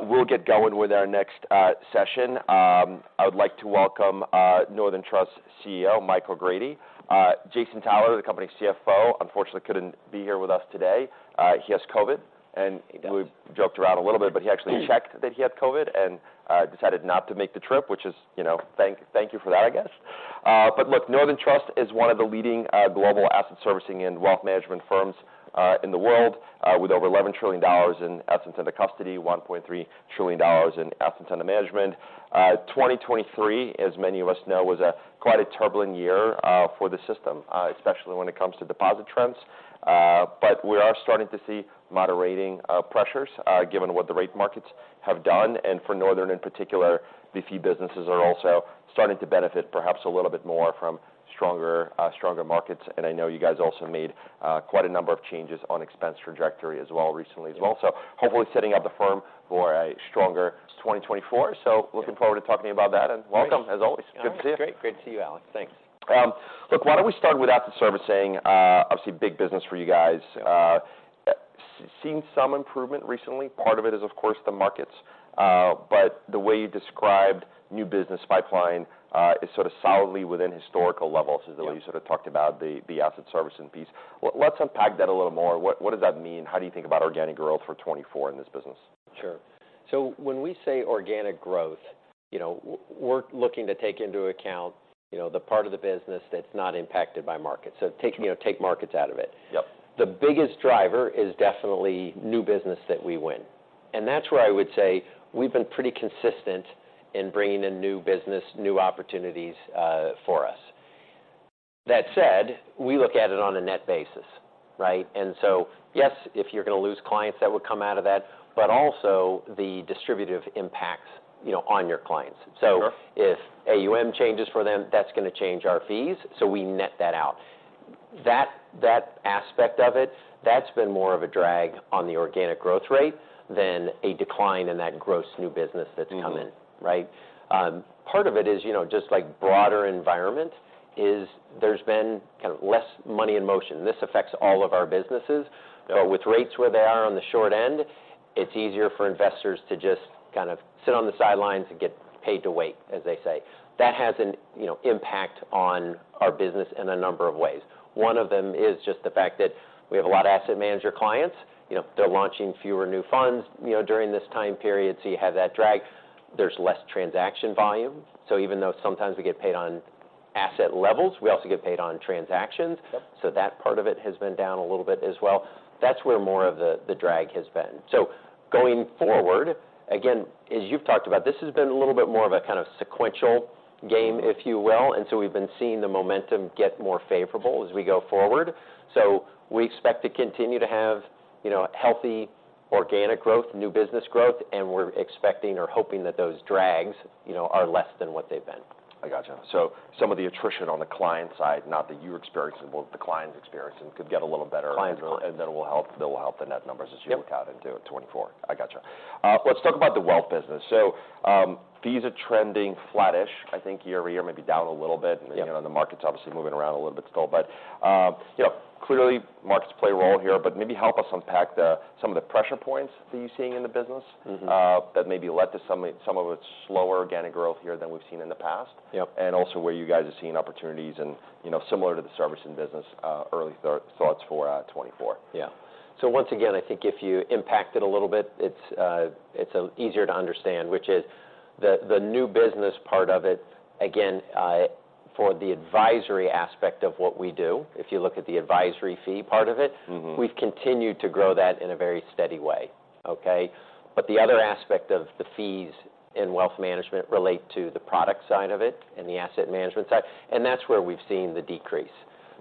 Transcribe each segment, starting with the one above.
We'll get going with our next session. I would like to welcome Northern Trust CEO, Mike O'Grady. Jason Tyler, the company's CFO, unfortunately, couldn't be here with us today. He has COVID, and we joked around a little bit, but he actually checked that he had COVID and decided not to make the trip, which is, you know, thank you for that, I guess. But look, Northern Trust is one of the leading global asset servicing and wealth management firms in the world with over $11 trillion in assets under custody, $1.3 trillion in assets under management. 2023, as many of us know, was quite a turbulent year for the system, especially when it comes to deposit trends. But we are starting to see moderating pressures given what the rate markets have done. And for Northern, in particular, the fee businesses are also starting to benefit perhaps a little bit more from stronger stronger markets. And I know you guys also made quite a number of changes on expense trajectory as well recently as well. So hopefully setting up the firm for a stronger 2024. So looking forward to talking to you about that, and welcome, as always. Good to see you. Great. Great to see you, Alex. Thanks. Look, why don't we start with asset servicing? Obviously, big business for you guys. Seen some improvement recently. Part of it is, of course, the markets, but the way you described new business pipeline is sort of solidly within historical levels, is the way- Yeah You sort of talked about the asset servicing piece. Let's unpack that a little more. What does that mean? How do you think about organic growth for 2024 in this business? Sure. So when we say organic growth, you know, we're looking to take into account, you know, the part of the business that's not impacted by market. So take, you know, take markets out of it. Yep. The biggest driver is definitely new business that we win, and that's where I would say we've been pretty consistent in bringing in new business, new opportunities, for us. That said, we look at it on a net basis, right? And so, yes, if you're going to lose clients, that would come out of that, but also the distributive impacts, you know, on your clients. Sure. So if AUM changes for them, that's going to change our fees, so we net that out. That aspect of it, that's been more of a drag on the organic growth rate than a decline in that gross new business that's come in. Mm-hmm. Right? Part of it is, you know, just like broader environment, is there's been kind of less money in motion, and this affects all of our businesses. Yep. With rates where they are on the short end, it's easier for investors to just kind of sit on the sidelines and get paid to wait, as they say. That has an impact, you know, on our business in a number of ways. Right. One of them is just the fact that we have a lot of asset manager clients. You know, they're launching fewer new funds, you know, during this time period, so you have that drag. There's less transaction volume, so even though sometimes we get paid on asset levels, we also get paid on transactions. Yep. So that part of it has been down a little bit as well. That's where more of the drag has been. So going forward, again, as you've talked about, this has been a little bit more of a kind of sequential game, if you will, and so we've been seeing the momentum get more favorable as we go forward. So we expect to continue to have, you know, healthy organic growth, new business growth, and we're expecting or hoping that those drags, you know, are less than what they've been. I gotcha. Some of the attrition on the client side, not that you're experiencing, but the client's experiencing, could get a little better. Clients and that will help, that will help the net numbers as you look out into 2024. Yep. I gotcha. Let's talk about the wealth business. So, fees are trending flattish, I think year over year, maybe down a little bit. Yep. You know, the market's obviously moving around a little bit still. But, you know, clearly markets play a role here, but maybe help us unpack the, some of the pressure points that you're seeing in the business- Mm-hmm... that maybe led to some of its slower organic growth here than we've seen in the past. Yep. Also where you guys are seeing opportunities and, you know, similar to the servicing business, early thoughts for 2024. Yeah. So once again, I think if you impact it a little bit, it's easier to understand, which is the new business part of it, again, for the advisory aspect of what we do, if you look at the advisory fee part of it- Mm-hmm... we've continued to grow that in a very steady way, okay? But the other aspect of the fees in wealth management relate to the product side of it and the asset management side, and that's where we've seen the decrease.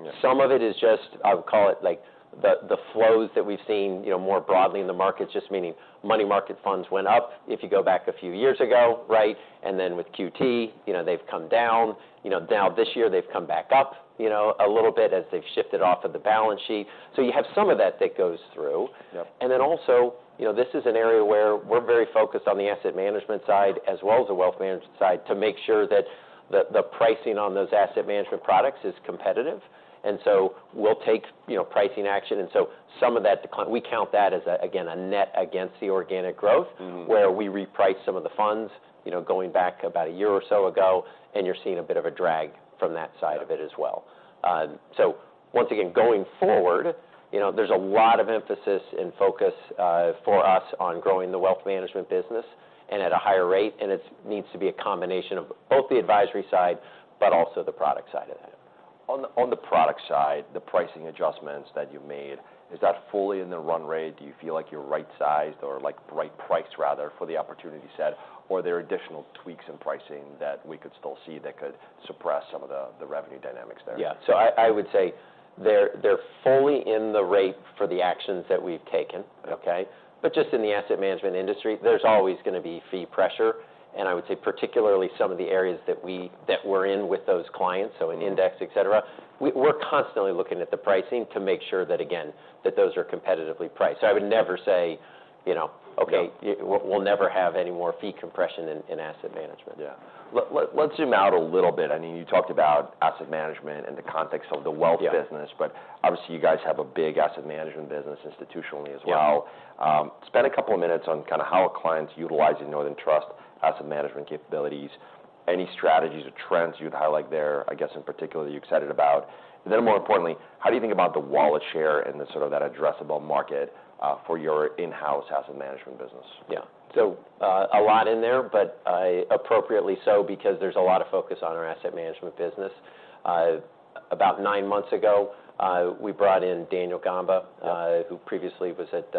Yeah. Some of it is just, I would call it, like, the flows that we've seen, you know, more broadly in the markets, just meaning money market funds went up if you go back a few years ago, right? And then with QT, you know, they've come down. You know, now this year they've come back up, you know, a little bit as they've shifted off of the balance sheet. So you have some of that that goes through. Yep. And then also, you know, this is an area where we're very focused on the asset management side, as well as the wealth management side, to make sure that the pricing on those asset management products is competitive, and so we'll take, you know, pricing action. And so some of that decline... We count that as, again, a net against the organic growth- Mm-hmm... where we reprice some of the funds, you know, going back about a year or so ago, and you're seeing a bit of a drag from that side of it as well. Yep. Once again, going forward, you know, there's a lot of emphasis and focus for us on growing the wealth management business and at a higher rate, and it's needs to be a combination of both the advisory side, but also the product side of it. On the product side, the pricing adjustments that you made, is that fully in the run rate? Do you feel like you're right-sized or, like, right-priced rather, for the opportunity set? Or are there additional tweaks in pricing that we could still see that could suppress some of the revenue dynamics there? Yeah. So I would say they're fully in the rate for the actions that we've taken, okay? But just in the asset management industry, there's always going to be fee pressure, and I would say particularly some of the areas that we're in with those clients, so in index, et cetera. Mm-hmm. We're constantly looking at the pricing to make sure that, again, that those are competitively priced. Mm-hmm. I would never say... you know, okay, we'll never have any more fee compression in asset management. Yeah. Let's zoom out a little bit. I mean, you talked about asset management in the context of the wealth business- Yeah but obviously, you guys have a big asset management business institutionally as well. Yeah. Spend a couple of minutes on kind of how are clients utilizing Northern Trust Asset Management capabilities, any strategies or trends you'd highlight there, I guess, in particular, you're excited about? Yeah. Then more importantly, how do you think about the wallet share and the sort of that addressable market for your in-house asset management business? Yeah. So, a lot in there, but appropriately so, because there's a lot of focus on our asset management business. About nine months ago, we brought in Daniel Gamba- Yeah... who previously was at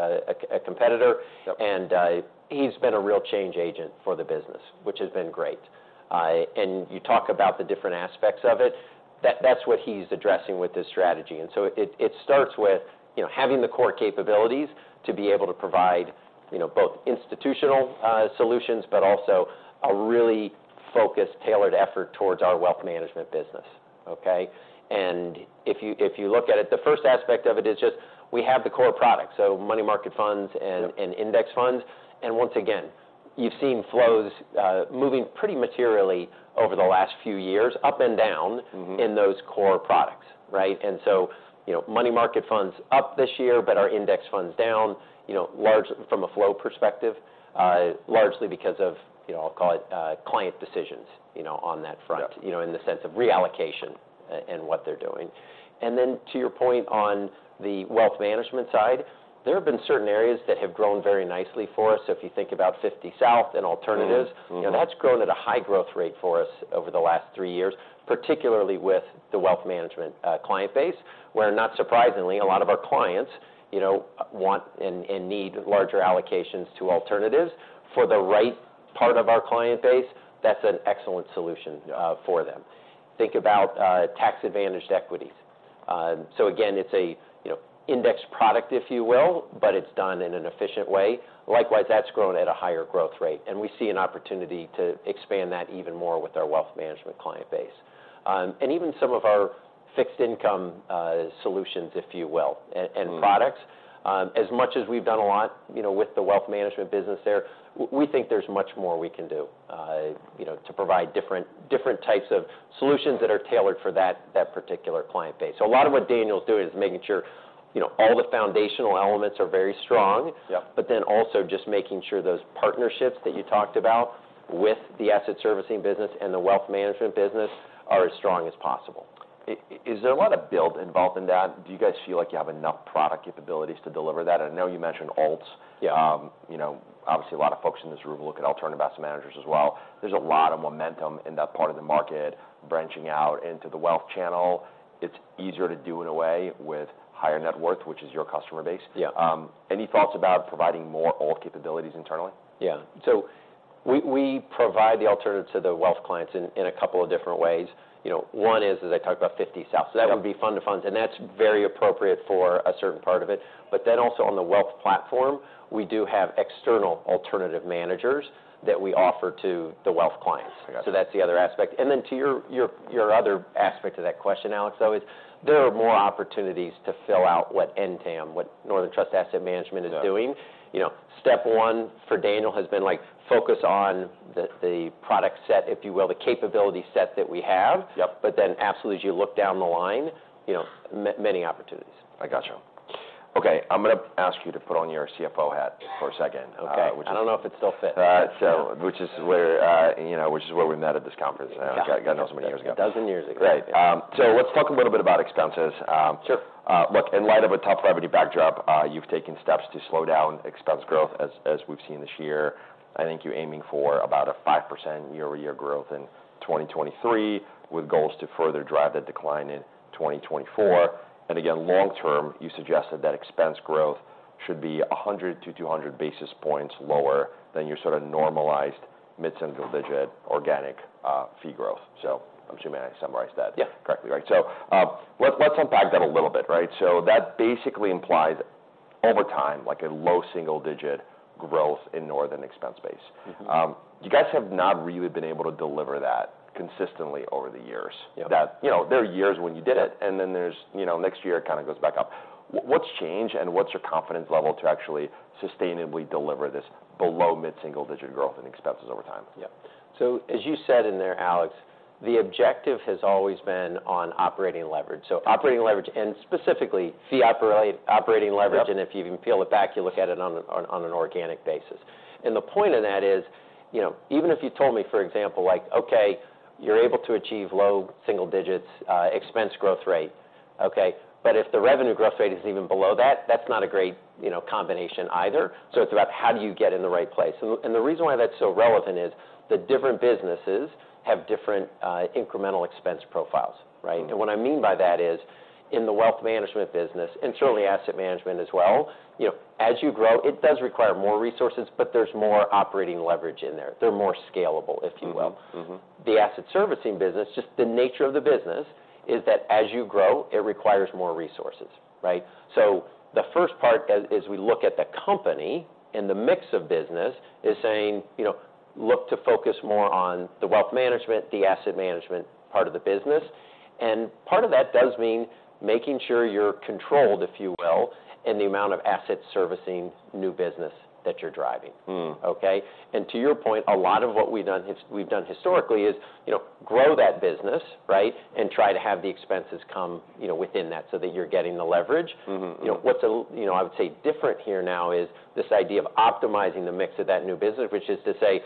a competitor. Yep. And he's been a real change agent for the business, which has been great. And you talk about the different aspects of it, that's what he's addressing with this strategy. And so it starts with, you know, having the core capabilities to be able to provide, you know, both institutional solutions, but also a really focused, tailored effort towards our wealth management business, okay? And if you look at it, the first aspect of it is just we have the core product, so money market funds and- Yep... and index funds. And once again, you've seen flows moving pretty materially over the last few years, up and down- Mm-hmm... in those core products, right? And so, you know, money market fund's up this year, but our index fund's down, you know, large- from a flow perspective- Mm-hmm... largely because of, you know, I'll call it, client decisions, you know, on that front- Yep... you know, in the sense of reallocation and what they're doing. And then to your point on the wealth management side, there have been certain areas that have grown very nicely for us. So if you think about 50 South and alternatives- Mm, mm-hmm... you know, that's grown at a high growth rate for us over the last three years, particularly with the wealth management client base, where, not surprisingly, a lot of our clients, you know, want and need larger allocations to alternatives. For the right part of our client base, that's an excellent solution for them. Think about tax-advantaged equities. So again, it's a, you know, index product, if you will, but it's done in an efficient way. Likewise, that's grown at a higher growth rate, and we see an opportunity to expand that even more with our wealth management client base. And even some of our fixed income solutions, if you will, and products. Mm-hmm. As much as we've done a lot, you know, with the wealth management business there, we think there's much more we can do, you know, to provide different types of solutions that are tailored for that particular client base. So a lot of what Daniel's doing is making sure, you know, all the foundational elements are very strong. Yep. But then also just making sure those partnerships that you talked about with the asset servicing business and the wealth management business are as strong as possible. Is there a lot of build involved in that? Do you guys feel like you have enough product capabilities to deliver that? I know you mentioned alts. Yeah. You know, obviously, a lot of folks in this room look at alternative asset managers as well. There's a lot of momentum in that part of the market branching out into the wealth channel. It's easier to do in a way with higher net worth, which is your customer base. Yeah. Any thoughts about providing more alt capabilities internally? Yeah. So we provide the alternative to the wealth clients in a couple of different ways. You know, one is, as I talked about, 50 South. Yep. That would be fund of funds, and that's very appropriate for a certain part of it. But then also on the wealth platform, we do have external alternative managers that we offer to the wealth clients. I got you. So that's the other aspect. Then to your other aspect of that question, Alex, though, is there are more opportunities to fill out what NTAM, what Northern Trust Asset Management is doing. Yeah. You know, step one for Daniel has been, like, focus on the product set, if you will, the capability set that we have. Yep. But then absolutely, as you look down the line, you know, many opportunities. I got you. Okay, I'm gonna ask you to put on your CFO hat for a second, Okay... which is- I don't know if it still fits. Which is where, you know, which is where we met at this conference many years ago. 12 years ago. Right. So let's talk a little bit about expenses. Sure. Look, in light of a tough revenue backdrop, you've taken steps to slow down expense growth, as we've seen this year. I think you're aiming for about a 5% year-over-year growth in 2023, with goals to further drive that decline in 2024. Right. And again, long term, you suggested that expense growth should be 100 basis points-200 basis points lower than your sort of normalized mid-single-digit organic fee growth. So I'm assuming I summarized that- Yeah... correctly, right? So, let's unpack that a little bit, right? So that basically implies over time, like a low single-digit growth in Northern expense base. Mm-hmm. You guys have not really been able to deliver that consistently over the years. Yep. That, you know, there are years when you did it, and then there's, you know, next year it kind of goes back up. What's changed, and what's your confidence level to actually sustainably deliver this below mid-single digit growth in expenses over time? Yep. So, as you said in there, Alex, the objective has always been on operating leverage. Mm-hmm. So operating leverage, and specifically, fee operating leverage. Yep... and if you even peel it back, you look at it on an organic basis. And the point of that is, you know, even if you told me, for example, like, "Okay, you're able to achieve low single digits, expense growth rate," okay? But if the revenue growth rate is even below that, that's not a great, you know, combination either. So it's about how do you get in the right place? And the reason why that's so relevant is, the different businesses have different, incremental expense profiles, right? Mm-hmm. What I mean by that is, in the wealth management business, and certainly asset management as well, you know, as you grow, it does require more resources, but there's more operating leverage in there. They're more scalable, if you will. Mm-hmm. Mm-hmm. The asset servicing business, just the nature of the business, is that as you grow, it requires more resources, right? So the first part, as we look at the company and the mix of business, is saying, you know, look to focus more on the wealth management, the asset management part of the business... and part of that does mean making sure you're controlled, if you will, in the amount of asset servicing new business that you're driving. Mm. Okay? And to your point, a lot of what we've done we've done historically is, you know, grow that business, right? And try to have the expenses come, you know, within that, so that you're getting the leverage. Mm-hmm. You know, what's a little, you know, I would say different here now is this idea of optimizing the mix of that new business, which is to say,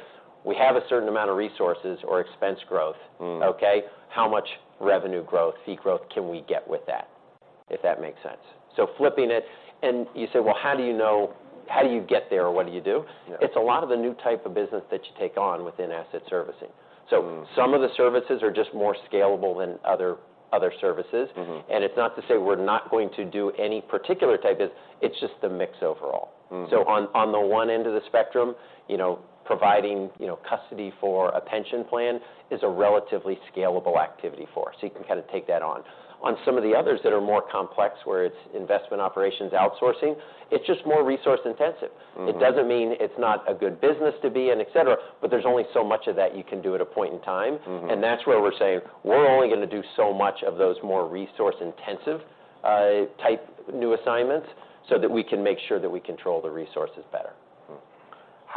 we have a certain amount of resources or expense growth. Mm. Okay? How much revenue growth, fee growth can we get with that? If that makes sense. So flipping it, and you say, "Well, how do you know-- How do you get there, or what do you do? Yeah. It's a lot of the new type of business that you take on within asset servicing. Mm. Some of the services are just more scalable than other services. Mm-hmm. It's not to say we're not going to do any particular type of... It's just the mix overall. Mm. So on the one end of the spectrum, you know, providing, you know, custody for a pension plan is a relatively scalable activity for us, so you can kind of take that on. On some of the others that are more complex, where it's investment operations outsourcing, it's just more resource-intensive. Mm. It doesn't mean it's not a good business to be in, et cetera, but there's only so much of that you can do at a point in time. Mm-hmm. And that's where we're saying, "We're only gonna do so much of those more resource-intensive, type new assignments, so that we can make sure that we control the resources better.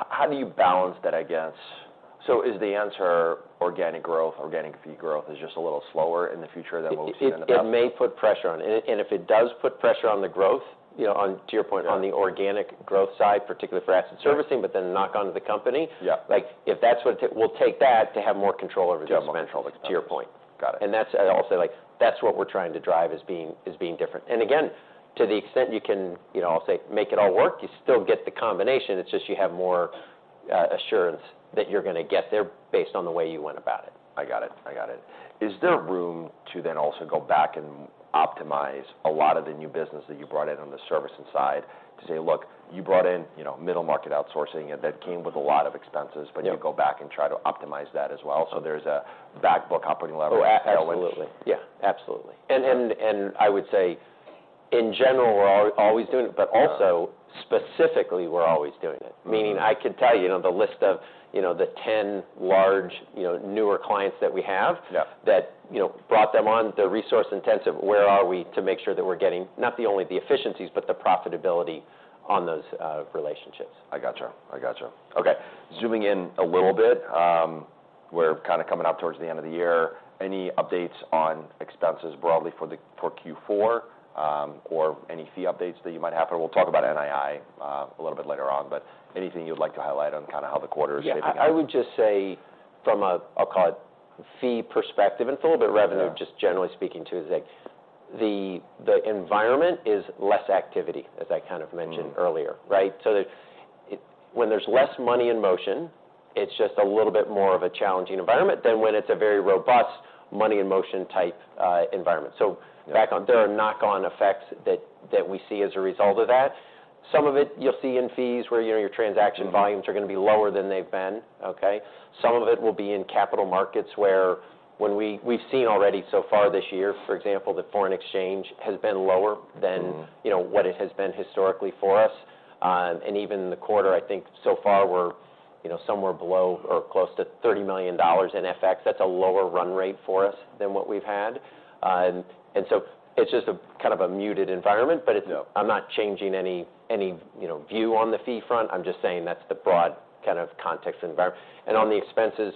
How do you balance that, I guess? So is the answer organic growth, organic fee growth is just a little slower in the future than what we've seen in the past? It may put pressure on it, and if it does put pressure on the growth, you know, on to your point- Yeah... on the organic growth side, particularly for asset servicing, but then knock on to the company- Yeah... like, if that's what it- we'll take that to have more control over this- More control... to your point. Got it. And that's, I'll say, like, that's what we're trying to drive as being different. And again, to the extent you can, you know, I'll say, make it all work, you still get the combination. It's just you have more assurance that you're gonna get there based on the way you went about it. I got it. I got it. Is there room to then also go back and optimize a lot of the new business that you brought in on the servicing side? To say, "Look, you brought in, you know, middle market outsourcing, and that came with a lot of expenses- Yeah But you go back and try to optimize that as well, so there's a back book operating level? Oh, absolutely. Yeah. Absolutely. And I would say, in general, we're always doing it, but also- Yeah... specifically, we're always doing it. Mm. Meaning, I could tell you, you know, the list of, you know, the 10 large, you know, newer clients that we have- Yeah ...that, you know, brought them on. They're resource intensive. Where are we to make sure that we're getting not only the efficiencies, but the profitability on those relationships? I gotcha. I gotcha. Okay, zooming in a little bit, we're kind of coming up towards the end of the year. Any updates on expenses broadly for the, for Q4, or any fee updates that you might have? We'll talk about NII a little bit later on. Anything you'd like to highlight on kind of how the quarter is shaping up? Yeah. I would just say, from a, I'll call it, fee perspective, and a little bit revenue- Yeah... just generally speaking, too, is like, the environment is less activity, as I kind of mentioned- Mm... earlier, right? So there, it... When there's less money in motion, it's just a little bit more of a challenging environment than when it's a very robust money in motion type, environment. Yeah. So, back on, there are knock-on effects that we see as a result of that. Some of it you'll see in fees, where, you know, your transaction volumes- Mm... are gonna be lower than they've been, okay? Some of it will be in capital markets, where we've seen already so far this year, for example, that foreign exchange has been lower than- Mm... you know, what it has been historically for us. And even the quarter, I think so far we're, you know, somewhere below or close to $30 million in FX. That's a lower run rate for us than what we've had. And so it's just a kind of a muted environment, but it- Yeah... I'm not changing any, you know, view on the fee front. I'm just saying that's the broad kind of context and environment. And on the expenses,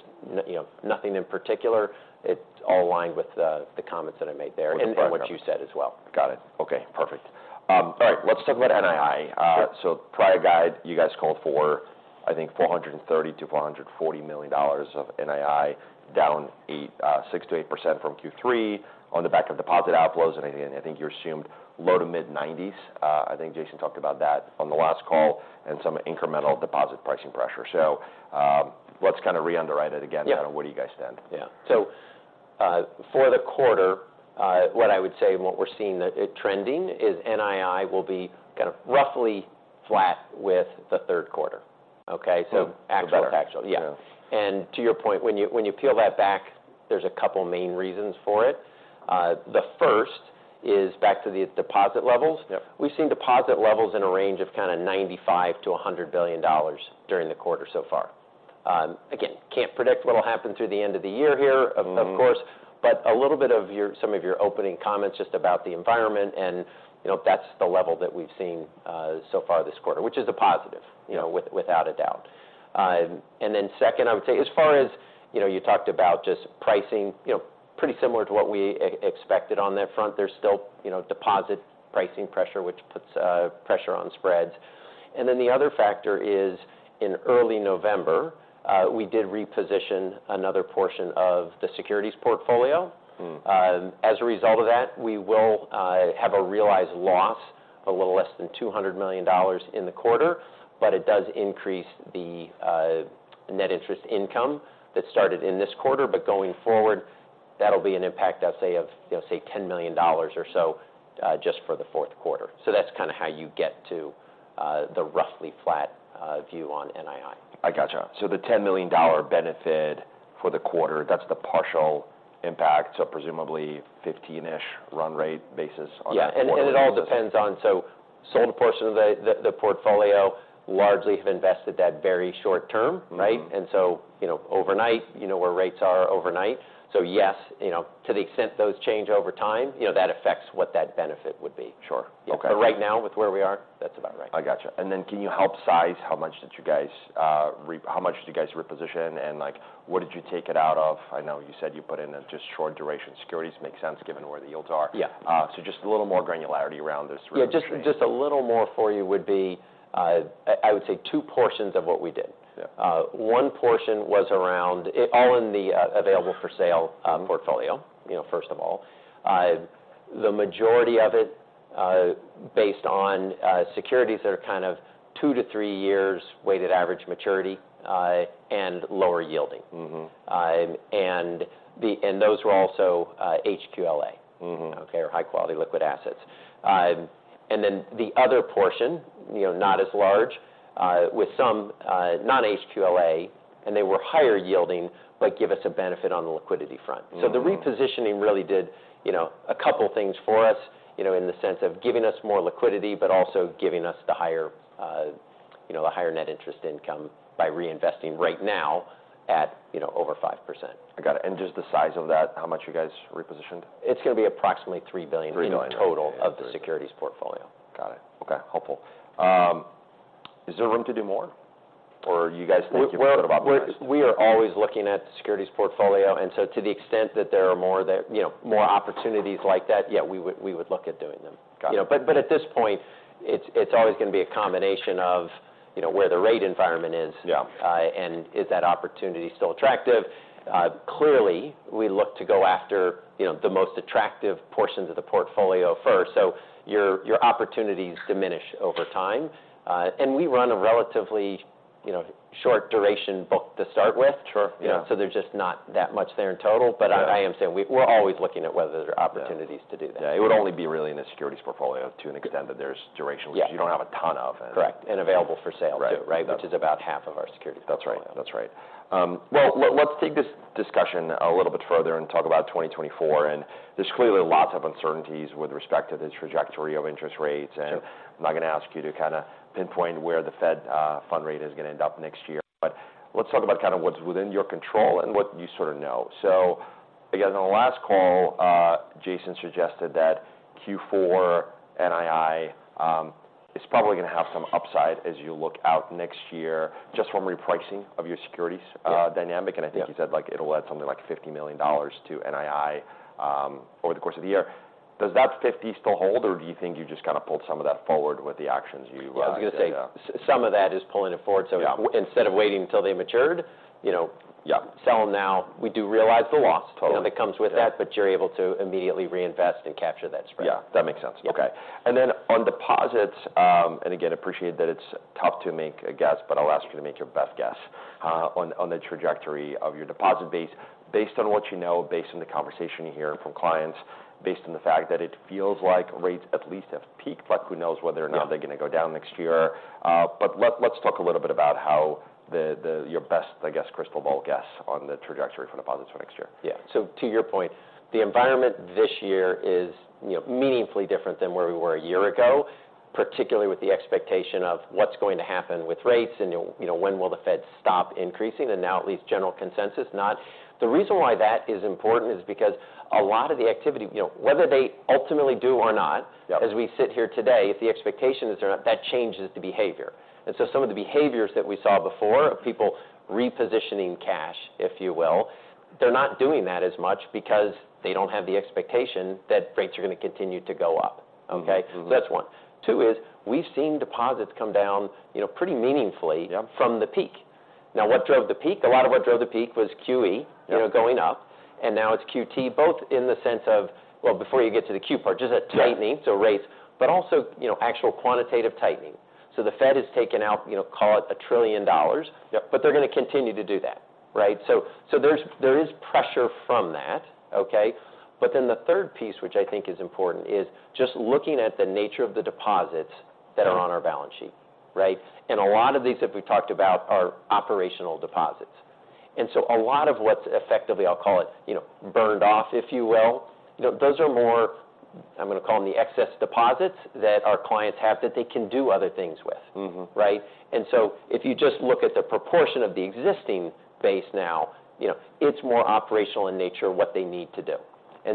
you know, nothing in particular. It's all aligned with the comments that I made there- Okay... and what you said as well. Got it. Okay, perfect. All right, let's talk about NII. Sure. So prior guide, you guys called for, I think, $430 million-$440 million of NII, down 8%, 6%-8% from Q3 on the back of deposit outflows. And again, I think you assumed low to mid-90s. I think Jason talked about that on the last call, and some incremental deposit pricing pressure. So, let's kind of re-underwrite it again- Yeah... kind of where do you guys stand? Yeah. So, for the quarter, what I would say, and what we're seeing it trending, is NII will be kind of roughly flat with the third quarter, okay? So- Better, actually. Yeah. Yeah. To your point, when you peel that back, there's a couple main reasons for it. The first is back to the deposit levels. Yep. We've seen deposit levels in a range of kinda $95 billion-$100 billion during the quarter so far. Again, can't predict what'll happen through the end of the year here. Mm... of course, but a little bit of your, some of your opening comments just about the environment, and, you know, that's the level that we've seen so far this quarter, which is a positive, you know, without a doubt. And then second, I would say, as far as, you know, you talked about just pricing, you know, pretty similar to what we expected on that front. There's still, you know, deposit pricing pressure, which puts pressure on spreads. And then the other factor is, in early November, we did reposition another portion of the securities portfolio. Mm. As a result of that, we will have a realized loss of a little less than $200 million in the quarter, but it does increase the net interest income that started in this quarter. But going forward, that'll be an impact, I'd say, of, you know, say, $10 million or so just for the fourth quarter. So that's kind of how you get to the roughly flat view on NII. I gotcha. So the $10 million benefit for the quarter, that's the partial impact, so presumably 15-ish run rate basis on that quarter. Yeah, and it all depends on... sold a portion of the portfolio, largely have invested that very short term, right? Mm-hmm. So, you know, overnight, you know, where rates are overnight. So yes, you know, to the extent those change over time, you know, that affects what that benefit would be. Sure. Okay. But right now, with where we are, that's about right. I gotcha. And then can you help size how much did you guys reposition, and like, what did you take it out of? I know you said you put in a just short duration securities. Makes sense, given where the yields are. Yeah. Just a little more granularity around this repositioning. Yeah, just a little more for you would be, I would say, two portions of what we did. Yeah. One portion was around all in the Available for Sale portfolio, you know, first of all. The majority of it based on securities that are kind of two-three years weighted average maturity and lower yielding. Mm-hmm. And those were also HQLA- Mm-hmm... okay, or high-quality liquid assets. And then the other portion, you know, not as large, with some non-HQLA, and they were higher yielding, but give us a benefit on the liquidity front. Mm. So the repositioning really did, you know, a couple things for us, you know, in the sense of giving us more liquidity, but also giving us the higher, you know, the higher net interest income by reinvesting right now- Right... at, you know, over 5%. I got it. Just the size of that, how much you guys repositioned? It's gonna be approximately $3 billion- Three billion... in total of the securities portfolio. Got it. Okay, helpful. Is there room to do more, or you guys think you've put up a nice- We are always looking at the securities portfolio, and so to the extent that there are more that, you know, more opportunities like that, yeah, we would look at doing them. Got it. You know, but, but at this point, it's, it's always gonna be a combination of, you know, where the rate environment is- Yeah... and is that opportunity still attractive? Clearly, we look to go after, you know, the most attractive portions of the portfolio first. So your opportunities diminish over time. And we run a relatively, you know, short duration book to start with. Sure. Yeah. You know, so there's just not that much there in total. Got it. But I am saying we're always looking at whether there are opportunities to do that. Yeah. It would only be really in the securities portfolio to an extent that there's duration- Yeah... which you don't have a ton of, and- Correct, and Available for Sale too- Right... right? Which is about half of our securities. That's right. That's right. Well, let's take this discussion a little bit further and talk about 2024. There's clearly lots of uncertainties with respect to the trajectory of interest rates- Sure... and I'm not gonna ask you to kinda pinpoint where the Fed funds rate is gonna end up next year, but let's talk about kind of what's within your control and what you sort of know. So again, on the last call, Jason suggested that Q4 NII is probably gonna have some upside as you look out next year, just from repricing of your securities dynamic. Yeah. And I think you said like it'll add something like $50 million to NII over the course of the year. Does that 50 still hold, or do you think you just kind of pulled some of that forward with the actions you, I was gonna say, some of that is pulling it forward. Yeah. So instead of waiting until they matured, you know- Yeah... sell them now. We do realize the loss- Totally... that comes with that, but you're able to immediately reinvest and capture that spread. Yeah, that makes sense. Yeah. Okay. And then on deposits, and again, appreciate that it's tough to make a guess, but I'll ask you to make your best guess, on the trajectory of your deposit base. Based on what you know, based on the conversation you hear from clients, based on the fact that it feels like rates at least have peaked, but who knows whether or not... Yeah... they're gonna go down next year. But let's talk a little bit about how the, your best, I guess, crystal ball guess on the trajectory for deposits for next year. Yeah. So to your point, the environment this year is, you know, meaningfully different than where we were a year ago, particularly with the expectation of what's going to happen with rates, and, you know, when will the Fed stop increasing? And now, at least, general consensus, not... The reason why that is important is because a lot of the activity—you know, whether they ultimately do or not— Yeah... as we sit here today, if the expectation is they're not, that changes the behavior. Some of the behaviors that we saw before of people repositioning cash, if you will, they're not doing that as much because they don't have the expectation that rates are gonna continue to go up. Okay. Okay? So that's one. Two is, we've seen deposits come down, you know, pretty meaningfully- Yeah... from the peak. Now, what drove the peak? Yeah. A lot of what drove the peak was QE- Yeah... you know, going up, and now it's QT, both in the sense of, well, before you get to the Q part, just a tightening- Yeah... so rates, but also, you know, actual quantitative tightening. So the Fed has taken out, you know, call it $1 trillion. Yep. But they're gonna continue to do that, right? So, there is pressure from that, okay? But then the third piece, which I think is important, is just looking at the nature of the deposits that are on our balance sheet, right? And a lot of these that we've talked about are operational deposits. And so a lot of what's effectively, I'll call it, you know, burned off, if you will, you know, those are more, I'm gonna call them the excess deposits, that our clients have, that they can do other things with. Mm-hmm. Right? And so if you just look at the proportion of the existing base now, you know, it's more operational in nature, what they need to do.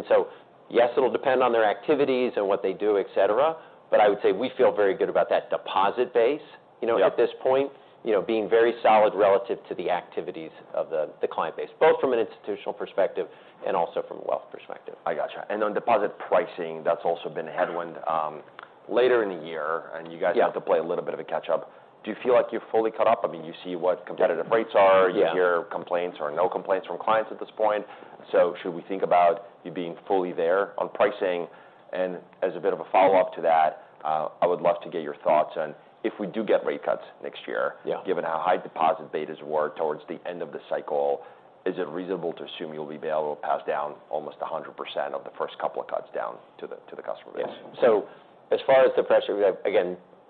So yes, it'll depend on their activities and what they do, et cetera, but I would say we feel very good about that deposit base, you know. Yep... at this point. You know, being very solid relative to the activities of the client base, both from an institutional perspective and also from a wealth perspective. I gotcha. And on deposit pricing, that's also been a headwind. Right. Later in the year, and you guys- Yeah... have to play a little bit of a catch-up. Do you feel like you're fully caught up? I mean, you see what competitive rates are- Yeah... you hear complaints or no complaints from clients at this point. So should we think about you being fully there on pricing? And as a bit of a follow-up to that, I would love to get your thoughts on if we do get rate cuts next year- Yeah... given how high deposit betas were towards the end of the cycle, is it reasonable to assume you'll be able to pass down almost 100% of the first couple of cuts down to the customers? Yeah. So as far as the pressure, we have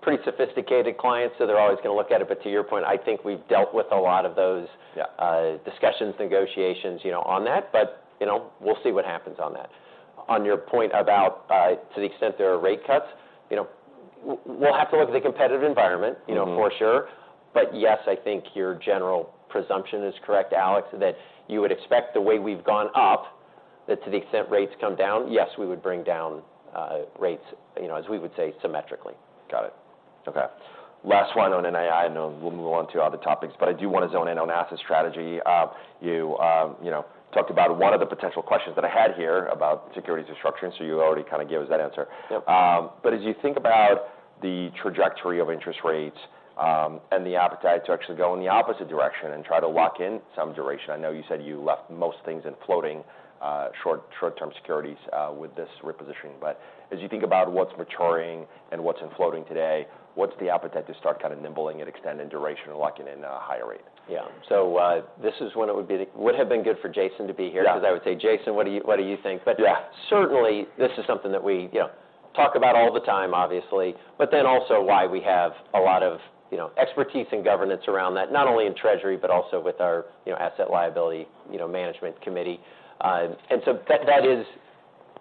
pretty sophisticated clients, so they're always gonna look at it. But to your point, I think we've dealt with a lot of those- Yeah Discussions, negotiations, you know, on that. But, you know, we'll see what happens on that. On your point about, to the extent there are rate cuts, you know, we'll have to look at the competitive environment. Mm-hmm... you know, for sure. But yes, I think your general presumption is correct, Alex, that you would expect the way we've gone up, that to the extent rates come down, yes, we would bring down, rates, you know, as we would say, symmetrically. Got it. Okay. Last one on NII, and then we'll move on to other topics, but I do want to zone in on asset strategy. You know, you talked about one of the potential questions that I had here about securities restructuring, so you already kind of gave us that answer. Yep. But as you think about the trajectory of interest rates, and the appetite to actually go in the opposite direction and try to lock in some duration, I know you said you left most things in floating, short-term securities, with this repositioning. But as you think about what's maturing and what's in floating today, what's the appetite to start kind of nibbling at extending duration and locking in a higher rate? Yeah. So, this is when it would have been good for Jason to be here- Yeah... because I would say, "Jason, what do you think? Yeah. But certainly, this is something that we, you know, talk about all the time, obviously, but then also why we have a lot of, you know, expertise and governance around that, not only in treasury, but also with our, you know, asset liability, you know, management committee. So that is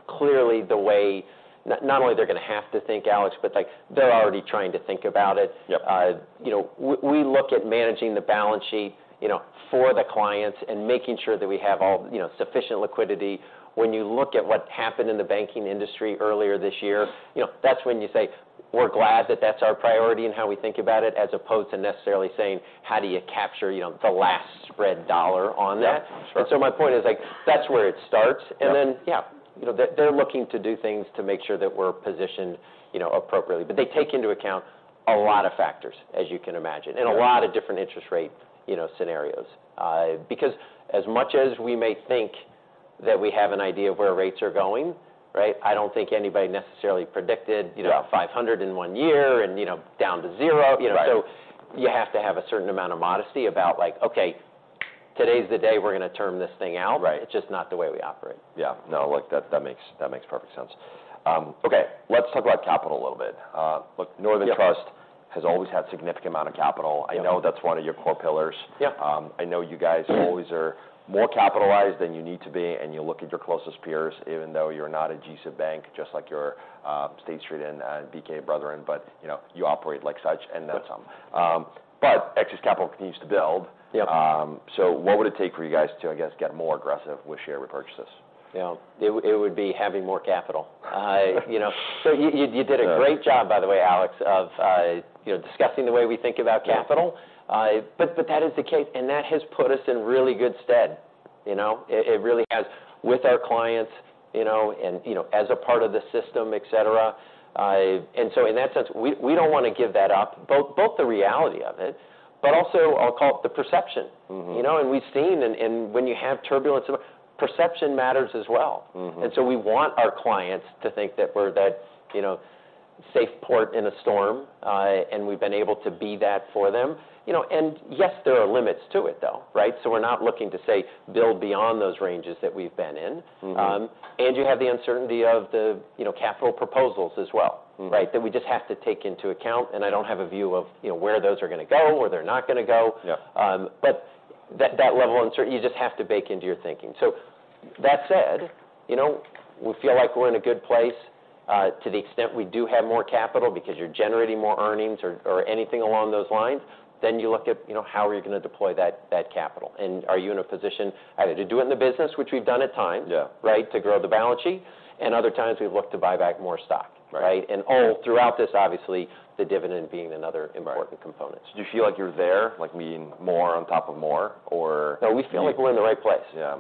clearly the way not only they're gonna have to think, Alex, but like, they're already trying to think about it. Yep. You know, we look at managing the balance sheet, you know, for the clients and making sure that we have all, you know, sufficient liquidity. When you look at what happened in the banking industry earlier this year, you know, that's when you say, "We're glad that that's our priority and how we think about it," as opposed to necessarily saying, "How do you capture, you know, the last spread dollar on that? Yeah, sure. My point is, like, that's where it starts. Yep. Then, yeah, you know, they're looking to do things to make sure that we're positioned, you know, appropriately. But they take into account a lot of factors, as you can imagine- Right... and a lot of different interest rate, you know, scenarios. Because as much as we may think that we have an idea of where rates are going, right? I don't think anybody necessarily predicted, you know- Yeah... 500 in one year and, you know, down to 0, you know. Right. You have to have a certain amount of modesty about, like, "Okay, today's the day we're gonna term this thing out. Right. It's just not the way we operate. Yeah. No, look, that, that makes, that makes perfect sense. Okay, let's talk about capital a little bit. Look- Yep... Northern Trust has always had significant amount of capital. Yep. I know that's one of your core pillars. Yep. I know you guys always are more capitalized than you need to be, and you look at your closest peers, even though you're not a G-SIB bank, just like you're State Street and BNY Mellon, but, you know, you operate like such, and that's- Good. But excess capital continues to build. Yep. What would it take for you guys to, I guess, get more aggressive with share repurchases? You know, it would, it would be having more capital. You know, so you, you did a great job, by the way, Alex, of, you know, discussing the way we think about capital. Yeah. But that is the case, and that has put us in really good stead. You know, it really has, with our clients, you know, and, you know, as a part of the system, et cetera. And so in that sense, we don't want to give that up, both the reality of it, but also I'll call it the perception. Mm-hmm. You know, and we've seen in when you have turbulence, perception matters as well. Mm-hmm. And so we want our clients to think that we're that, you know, safe port in a storm, and we've been able to be that for them. You know, and yes, there are limits to it, though, right? So we're not looking to, say, build beyond those ranges that we've been in. Mm-hmm. And you have the uncertainty of the, you know, capital proposals as well. Mm-hmm... right? That we just have to take into account, and I don't have a view of, you know, where those are gonna go, or they're not gonna go. Yep. But that level of uncertainty, you just have to bake into your thinking. So that said, you know, we feel like we're in a good place. To the extent we do have more capital because you're generating more earnings or anything along those lines, then you look at, you know, how are you gonna deploy that capital? And are you in a position either to do it in the business, which we've done at times- Yeah... right, to grow the balance sheet, and other times we've looked to buy back more stock. Right. Right? Yeah. And all throughout this, obviously, the dividend being another- Right... important component. Do you feel like you're there, like, meaning more on top of more, or...? No, we feel like we're in the right place. Yeah.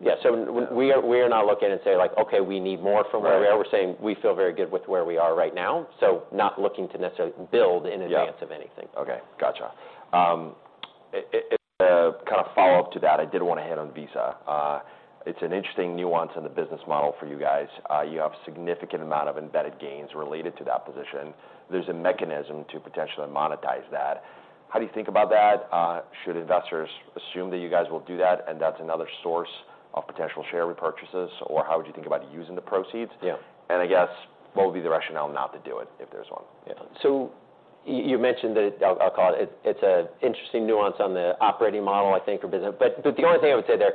Yeah. Yeah, so- Yeah... we are not looking and say, like, "Okay, we need more from where we are. Right. We're saying, "We feel very good with where we are right now." So not looking to necessarily build in- Yeah... advance of anything. Okay, gotcha. A kind of follow-up to that, I did want to hit on Visa. It's an interesting nuance in the business model for you guys. You have a significant amount of embedded gains related to that position. There's a mechanism to potentially monetize that. How do you think about that? Should investors assume that you guys will do that, and that's another source of potential share repurchases, or how would you think about using the proceeds? Yeah. I guess, what would be the rationale not to do it, if there's one? Yeah. So you mentioned that, I'll call it, it's an interesting nuance on the operating model, I think, or business. But the only thing I would say there,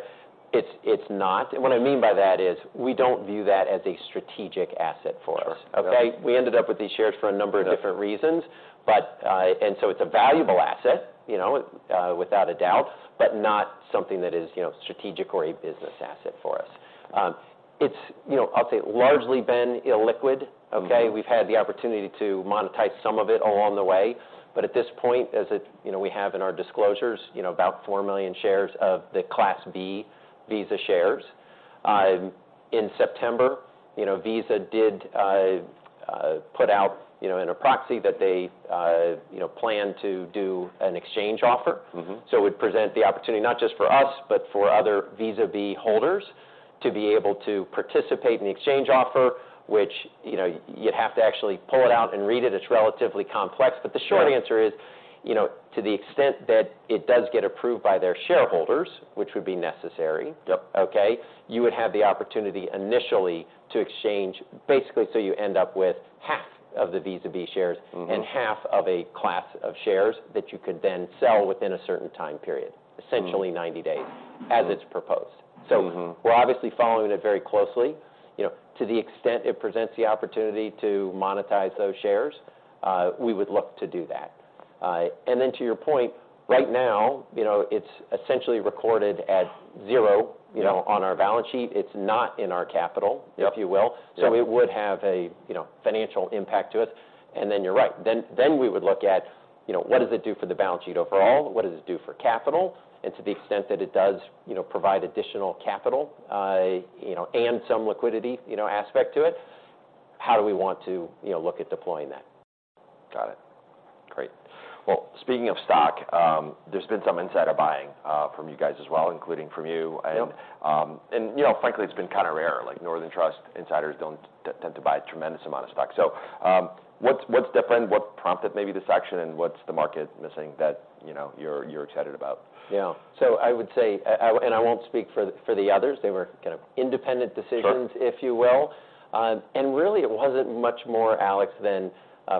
it's not... And what I mean by that is, we don't view that as a strategic asset for us. Sure. Okay? We ended up with these shares for a number of different reasons. Yep. And so it's a valuable asset, you know, without a doubt, but not something that is, you know, strategic or a business asset for us. It's, you know, I'll say, largely been illiquid, okay? Mm-hmm. We've had the opportunity to monetize some of it along the way, but at this point, as it, you know, we have in our disclosures, you know, about 4 million shares of the Class B Visa shares. In September, you know, Visa did put out, you know, in a proxy that they, you know, planned to do an exchange offer. Mm-hmm. So it would present the opportunity not just for us, but for other Visa B holders, to be able to participate in the exchange offer, which, you know, you'd have to actually pull it out and read it. It's relatively complex. Right. The short answer is, you know, to the extent that it does get approved by their shareholders, which would be necessary. Yep. Okay? You would have the opportunity initially to exchange, basically so you end up with half of the Visa B shares- Mm-hmm. and half of a class of shares that you could then sell within a certain time period. Mm-hmm. Essentially 90 days, as it's proposed. Mm-hmm. So we're obviously following it very closely. You know, to the extent it presents the opportunity to monetize those shares, we would look to do that. And then to your point, right now, you know, it's essentially recorded at zero- Yeah You know, on our balance sheet. It's not in our capital- Yep if you will. Yeah. So it would have a, you know, financial impact to it. And then you're right, then we would look at, you know- Yeah What does it do for the balance sheet overall? Right. What does it do for capital? And to the extent that it does, you know, provide additional capital, you know, and some liquidity, you know, aspect to it, how do we want to, you know, look at deploying that? Got it. Great. Well, speaking of stock, there's been some insider buying from you guys as well, including from you. Yep. You know, frankly, it's been kind of rare. Like, Northern Trust insiders don't tend to buy a tremendous amount of stock. So, what's different? What prompted maybe this action, and what's the market missing that, you know, you're excited about? Yeah. So I would say, and I won't speak for the others. They were kind of independent decisions- Sure... if you will. And really, it wasn't much more, Alex, than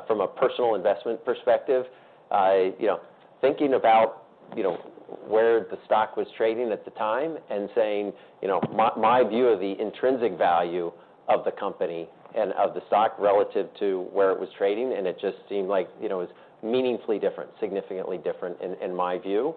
from a personal investment perspective. I, you know, thinking about, you know, where the stock was trading at the time and saying, you know, my, my view of the intrinsic value of the company and of the stock relative to where it was trading, and it just seemed like, you know, it was meaningfully different, significantly different in my view.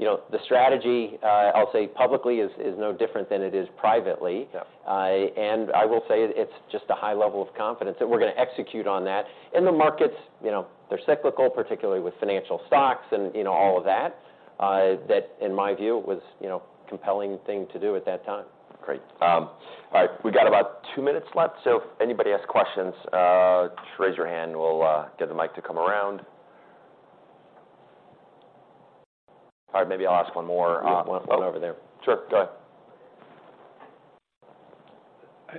You know, the strategy, I'll say publicly is no different than it is privately. Yep. I will say it's just a high level of confidence that we're gonna execute on that. The markets, you know, they're cyclical, particularly with financial stocks and, you know, all of that. That in my view was, you know, a compelling thing to do at that time. Great. All right, we've got about two minutes left, so if anybody has questions, just raise your hand, and we'll get the mic to come around. All right, maybe I'll ask one more. Yeah. One over there. Sure, go ahead.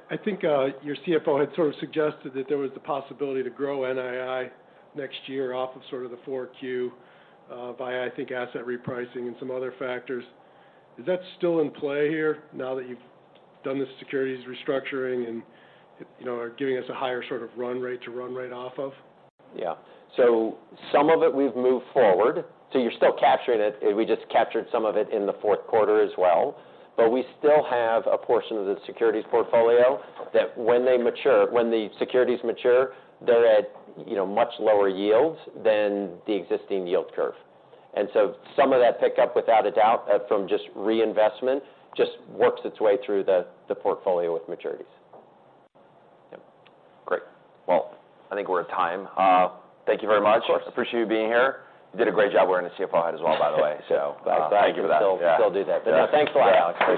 I think your CFO had sort of suggested that there was the possibility to grow NII next year off of sort of the 4Q by I think asset repricing and some other factors. Is that still in play here now that you've done the securities restructuring and, you know, are giving us a higher sort of run rate to run right off of? Yeah. So some of it we've moved forward, so you're still capturing it. We just captured some of it in the fourth quarter as well. But we still have a portion of the securities portfolio that when they mature, when the securities mature, they're at, you know, much lower yields than the existing yield curve. And so some of that pick-up, without a doubt, from just reinvestment, just works its way through the, the portfolio with maturities. Yep. Great. Well, I think we're at time. Thank you very much. Of course. Appreciate you being here. You did a great job wearing the CFO hat as well, by the way. Thank you for that. I'm glad to still do that. Yeah. Thanks a lot, Alex. Appreciate it.